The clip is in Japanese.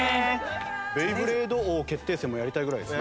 ベイブレード王決定戦もやりたいぐらいですね。